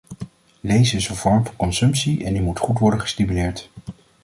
Lezen is een vorm van consumptie en die moet goed worden gestimuleerd.